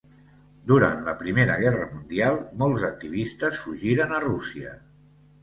Durant la Primera Guerra Mundial, molts activistes fugiren a Rússia.